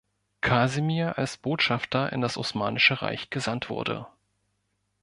Kasimir als Botschafter in das Osmanische Reich gesandt wurde.